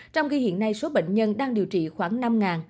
trong khi hiện nay số bệnh nhân đang điều trị khoảng năm